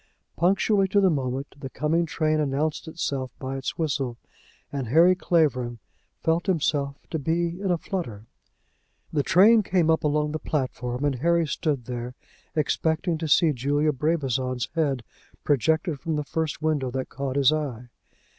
Punctually to the moment the coming train announced itself by its whistle, and Harry Clavering felt himself to be in a flutter. The train came up along the platform, and Harry stood there expecting to see Julia Brabazon's head projected from the first window that caught his eye.